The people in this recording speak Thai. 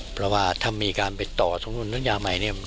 เพราะว่าถ้ามีการไปต่อทั้งนู้นนัญญาใหม่นี่